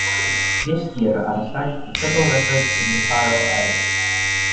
Gestir are signed to Tutl Records in the Faroe Islands.